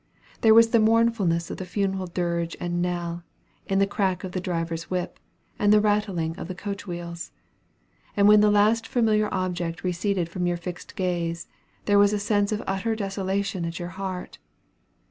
There was the mournfulness of the funeral dirge and knell, in the crack of the driver's whip, and in the rattling of the coach wheels. And when the last familiar object receded from your fixed gaze, there was a sense of utter desolation at your heart.